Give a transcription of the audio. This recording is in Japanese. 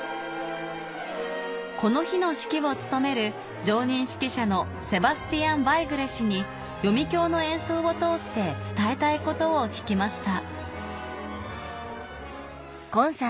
この日の指揮を務める常任指揮者のセバスティアン・ヴァイグレ氏に読響の演奏を通して伝えたいことを聞きました